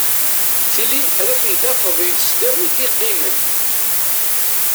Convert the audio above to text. Tili ad ten-tafeḍ deg tesdawit i qqimen.